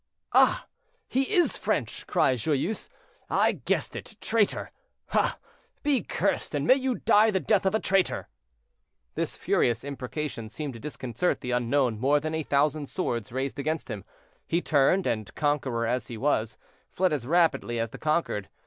"Ah! he is French," cried Joyeuse; "I guessed it, traitor. Ah! be cursed, and may you die the death of a traitor." This furious imprecation seemed to disconcert the unknown more than a thousand swords raised against him; he turned, and conqueror as he was, fled as rapidly as the conquered.